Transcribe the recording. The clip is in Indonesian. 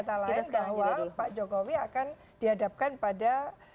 dengan kata lain pak jokowi akan dihadapkan pada